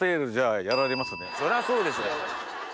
そりゃあそうでしょう。